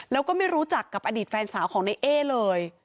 แล้วก็ไม่รู้จักกับอดีตแฟนสาวของในเอ๊เลย